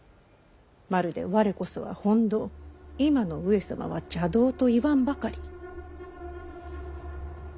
まるで「われこそは本道今の上様は邪道」と言わんばかり。